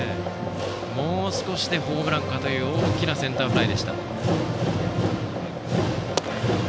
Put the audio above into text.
もう少しでホームランかという大きなセンターフライでした。